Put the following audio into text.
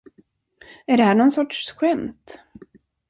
Är det här någon sorts skämt?